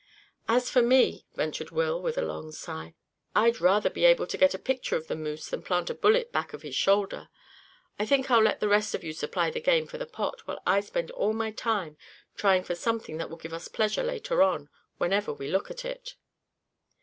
"As for me," ventured Will, with a long sigh, "I'd rather be able to get a picture of the moose than plant a bullet back of his shoulder. I think I'll let the rest of you supply the game for the pot, while I spend all my time trying for something that will give us pleasure later on, whenever we look at it."